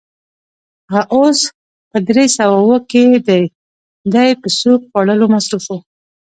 هغه اوس په درې سوه اووه کې دی، دی په سوپ خوړلو مصروف و.